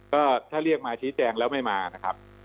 ก็ถ้าเรียกมาชี้แจงแล้วไม่มานะครับ